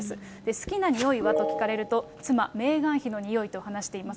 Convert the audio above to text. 好きな匂いはと聞かれると、妻、メーガン妃の匂いと話しています。